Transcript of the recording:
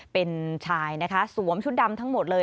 เป็นชายนะคะสวมชุดดำทั้งหมดเลย